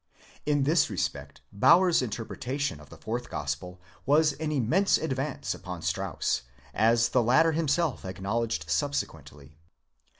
[ἢ this respect Baur's interpretation of the Fourth Gospel was an immense advance beyond Strauss, as the latter himself ac knowledged subsequently.